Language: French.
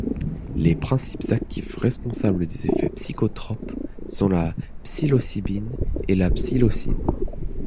Les principes actifs responsables des effets psychotropes sont la psilocybine et la psilocine.